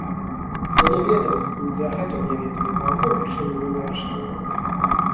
Я не ведаў і дагэтуль не ведаю, па якой прычыне мяне арыштавалі.